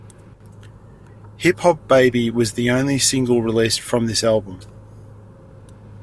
"Hip Hop Baby" was the only single released from this album.